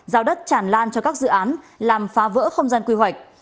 giao đất tràn lan cho các dự án làm phá vỡ không gian quy hoạch